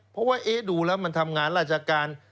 เพราะว่าดูแล้วมันทำงานราชการ